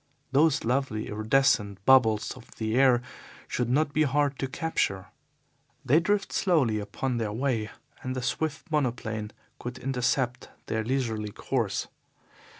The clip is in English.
Those lovely iridescent bubbles of the air should not be hard to capture. They drift slowly upon their way, and the swift monoplane could intercept their leisurely course.